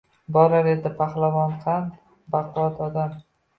Borar edi pahlavonqand, baquvvat odam.